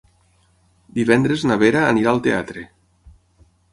Divendres na Vera anirà al teatre.